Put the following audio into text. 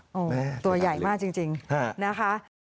โอ้โหตัวใหญ่มากจริงนะคะ